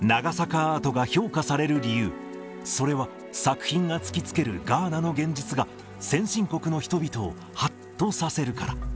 アートが評価される理由、それは、作品が突きつけるガーナの現実が、先進国の人々をはっとさせるから。